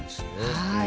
はい。